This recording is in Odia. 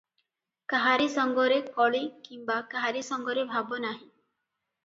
କାହାରି ସଙ୍ଗରେ କଳି କିମ୍ବା କାହାରି ସଙ୍ଗରେ ଭାବ ନାହିଁ ।